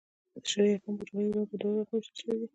شرعي احکام په ټوليز ډول پر دوو برخو وېشل سوي دي.